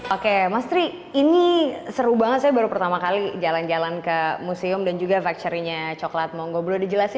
oke mas tri ini seru banget saya baru pertama kali jalan jalan ke museum dan juga factory nya coklat monggo belum dijelasin